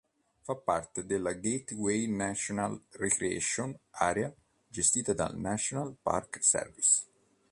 Fa parte della Gateway National Recreation Area, gestita dal National Park Service.